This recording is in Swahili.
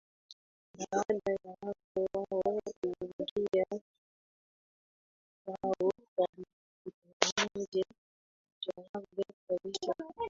Baada ya hapo wao huingia chumbani kwao kwa mtanange mujarab kabisa